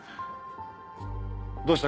どうした？